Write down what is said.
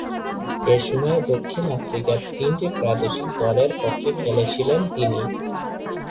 এ সময়ে দক্ষিণ আফ্রিকার তিনটি প্রাদেশিক দলের পক্ষে খেলেছিলেন তিনি।